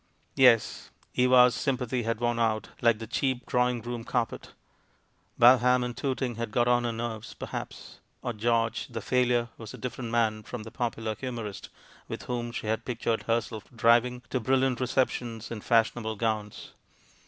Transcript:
Yes, Eva's sjTnpathy had worn out, like the cheap drawing room carpet. Balham and Toot ing had got on her nerves, perhaps; or George, the failure, was a different man from the popular humorist with whom she had pictured herself driving to brilliant receptions in fashionable gowns.